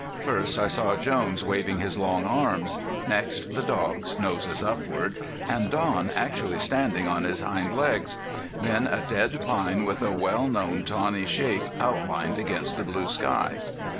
First I saw Jones waving his long arms; next the dogs, noses upward, and Don actually standing on his hind legs; then a dead pine with a well known tawny shape outlined against the blue sky.